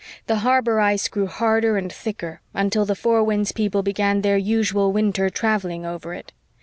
The harbor ice grew harder and thicker, until the Four Winds people began their usual winter travelling over it.